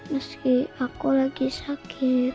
meski aku lagi sakit